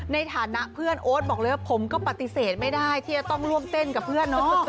ในฐานะเพื่อนโอ๊ตบอกเลยว่าผมก็ปฏิเสธไม่ได้ที่จะต้องร่วมเต้นกับเพื่อนเนอะ